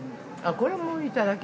◆これもいただき